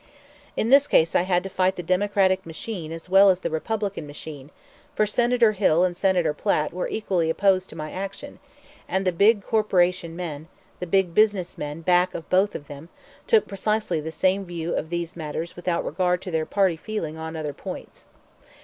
In this case I had to fight the Democratic machine as well as the Republican machine, for Senator Hill and Senator Platt were equally opposed to my action, and the big corporation men, the big business men back of both of them, took precisely the same view of these matters without regard to their party feelings on other points.